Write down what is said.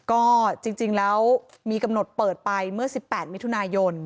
ก็จริงแล้วมีกำหนดเปิดไปเมื่อ๑๘มิถุนายน